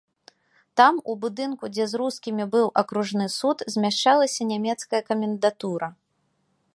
Там, у будынку, дзе за рускімі быў акружны суд, змяшчалася нямецкая камендатура.